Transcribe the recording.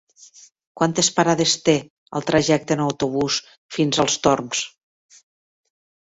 Quantes parades té el trajecte en autobús fins als Torms?